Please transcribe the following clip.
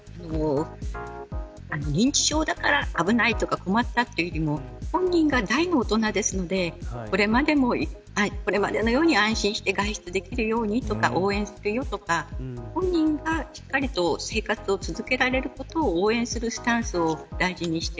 認知症だから危ないとか困ったというよりも本人が、大の大人ですのでこれまでのように安心して外出できるようにとか応援するよとか本人がしっかりと生活を続けられることを応援するスタンスを大事にして